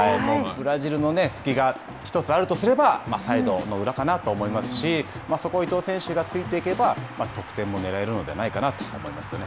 ブラジルの隙が１つあるとすればサイドの裏かなと思いますしそこを伊東選手がついていけば得点もねらえるのではないかと思いますね。